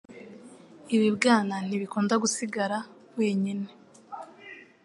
Ibibwana ntibikunda gusigara wenyine